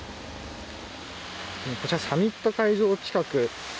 こちら、サミット会場近く。